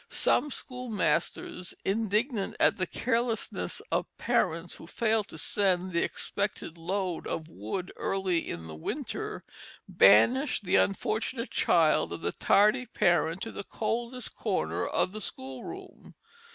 Some schoolmasters, indignant at the carelessness of parents who failed to send the expected load of wood early in the winter, banished the unfortunate child of the tardy parent to the coldest corner of the schoolroom.